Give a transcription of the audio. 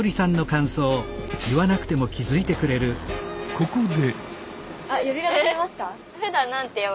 ここで。